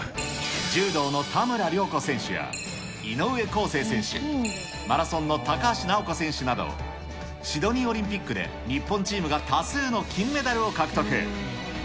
柔道の田村亮子選手や、井上康生選手、マラソンの高橋尚子選手など、シドニーオリンピックで日本チームが多数の金メダルを獲得。